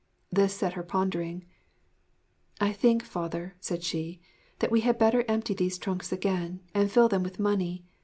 This set her pondering. 'I think, father,' she said, 'that we had better empty these trunks again, and fill them with money.